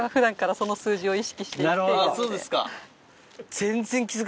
そうですか。